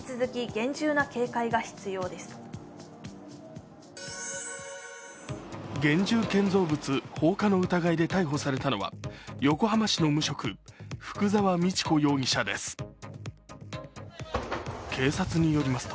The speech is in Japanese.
現住建造物放火の疑いで逮捕されたのは横浜市の無職、福沢道子容疑者です。